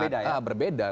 dua hal yang sangat berbeda